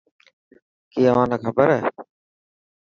ڪي اوهان نا کبر هي.